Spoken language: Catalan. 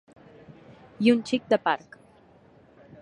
I un xic de parc.